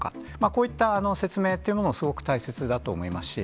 こういった説明というのもすごく大切だと思いますし。